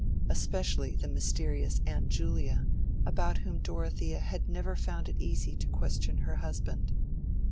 Especially the mysterious "Aunt Julia" about whom Dorothea had never found it easy to question her husband.